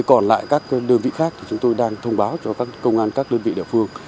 còn lại các đơn vị khác thì chúng tôi đang thông báo cho các công an các đơn vị địa phương